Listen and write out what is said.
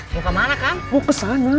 buka mana kan mau ke sana